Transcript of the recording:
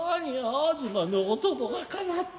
東のお供がかなった。